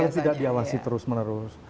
saya tidak diawasi terus menerus